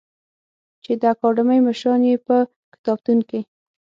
چې د اکاډمۍ مشران یې په کتابتون کې